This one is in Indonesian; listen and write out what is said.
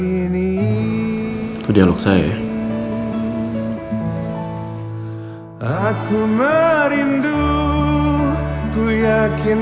itu dialog saya ya